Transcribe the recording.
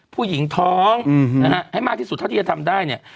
ผู้หญิงท้องนะฮะให้มากที่สุดเท่าที่จะทำได้เนี่ย